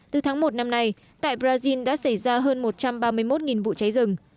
từ tháng một năm nay tại brazil đã xảy ra hơn một trăm ba mươi một vụ cháy rừng